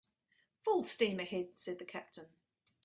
"Full steam ahead," said the captain.